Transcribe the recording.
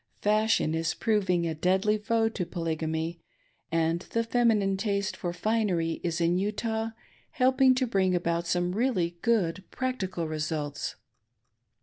Fashion is proving a deadly foe to Polygamy, and the feminine taste for finery is in Utah helping to bring about some really good practical results.